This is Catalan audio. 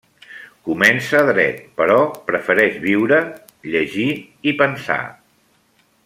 Comença dret, però prefereix viure, llegir i pensar.